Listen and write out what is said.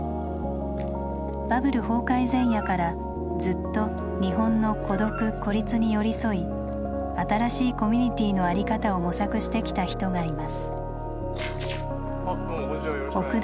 バブル崩壊前夜からずっと日本の孤独孤立に寄り添い新しいコミュニティーの在り方を模索してきた人がいます。